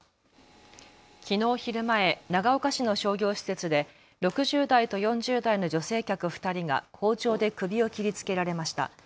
きのう昼前、長岡市の商業施設で６０代と４０代の女性客２人が包丁で首を切りつけられました。